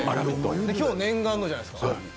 今日、念願のじゃないですか。